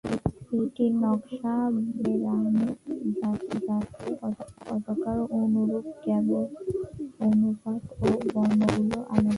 এটির নকশা বাহরাইনের জাতীয় পতাকার অনুরূপ, কেবল অনুপাত ও বর্ণগুলি আলাদা।